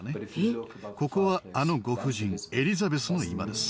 ここはあのご夫人エリザベスの居間です。